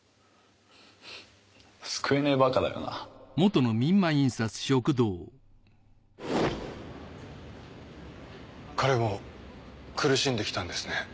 救えねえバカだよな彼も苦しんできたんですね。